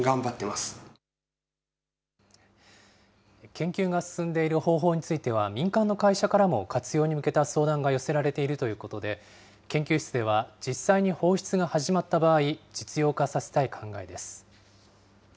研究が進んでいる方法については、民間の会社からも活用に向けた相談が寄せられているということで、研究室では実際に放出が始まった場合、実用化させたい考えです。